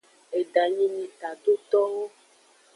Edanyi nyi tadotowo.